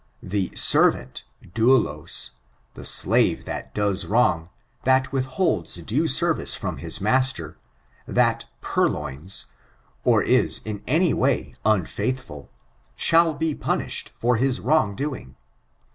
The servant, dauUm — the slave that does wrong — that withholds due service from his master, that purloins, or is, in any way, unfaithful, shall be punished for his wrong doing.